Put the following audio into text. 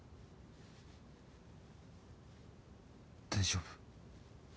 大丈夫？